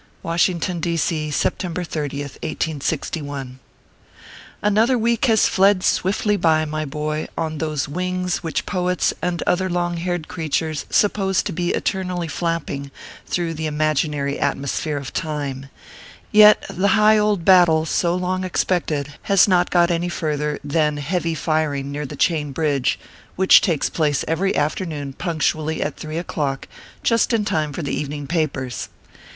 WASHINGTON, D. C., September 30th, 1861. ANOTHER week has fled swiftly by, my boy, on those wings which poets and other long haired crea tures suppose to be eternally flapping through the imaginary atmosphere of time ; yet the high old battle so long expected has not got any further than " heavy firing near the Chain Bridge/ which takes place every afternoon punctually at three o clock just in time for the evening papers.